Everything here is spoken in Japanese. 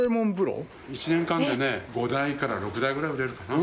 １年間でね５台から６台ぐらい売れるかな。